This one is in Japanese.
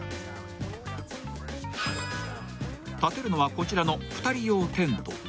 ［建てるのはこちらの２人用テント］